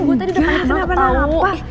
gue tadi udah panggil kenapa kenapa